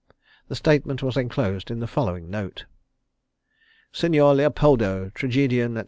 The statement was enclosed in the following note: "Signor Leopoldo, tragedian, &c.